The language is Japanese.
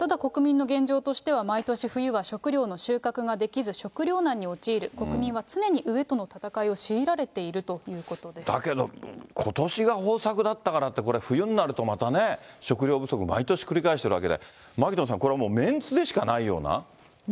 ただ国民の現状としては、毎年冬は食料の収穫ができず、食料難に陥る、国民は常に飢えとの戦いを強いられているというこだけど、ことしが豊作だったからって、これ、冬になるとまたね、食料不足、毎年繰り返してるわけで、牧野さん、これはもうメンツでしかないような？